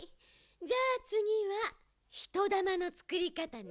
じゃあつぎはひとだまのつくり方ね。